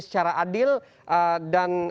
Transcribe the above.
secara adil dan